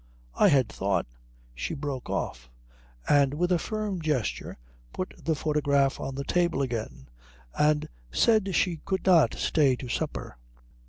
I had thought " She broke off, and with a firm gesture put the photograph on the table again and said she could not stay to supper.